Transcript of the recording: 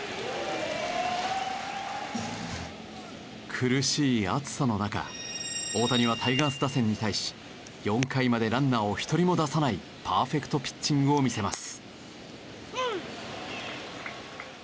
苦しい暑さの中大谷はタイガース打線に対し４回までランナーを一人も出さないパーフェクトピッチングを見せます。